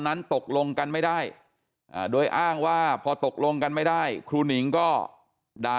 นั้นตกลงกันไม่ได้โดยอ้างว่าพอตกลงกันไม่ได้ครูหนิงก็ด่า